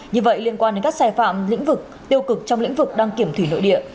như vậy liên quan đến các sai phạm lĩnh vực tiêu cực trong lĩnh vực đăng kiểm thủy nội địa